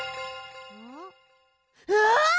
あっ！